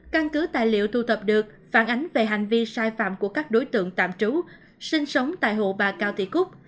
căn cứ tài liệu thu thập được phản ánh về hành vi sai phạm của các đối tượng tạm trú sinh sống tại hộ bà cao thị cúc